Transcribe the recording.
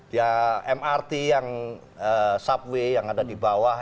ya mrt yang subway yang ada di bawah